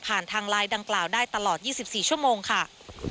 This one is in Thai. ทางไลน์ดังกล่าวได้ตลอด๒๔ชั่วโมงค่ะ